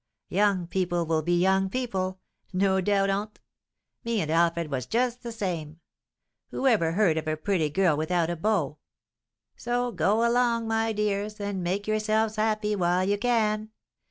Young people will be young people, no doubt on't. Me and Alfred was just the same. Whoever heard of a pretty girl without a beau? So, go along, my dears, and make yourselves happy while you can."